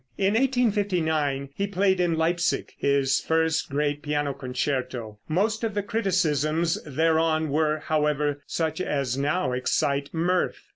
In 1859 he played in Leipsic his first great pianoforte concerto; most of the criticisms thereon were, however, such as now excite mirth.